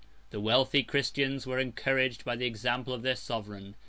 The wealthy Christians were encouraged by the example of their sovereign.